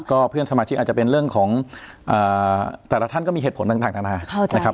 ก็เพื่อนสมาชิกอาจจะเป็นเรื่องของแต่ละท่านก็มีเหตุผลต่างนานานะครับ